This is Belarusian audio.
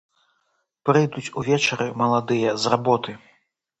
Прыйдуць увечары маладыя з работы.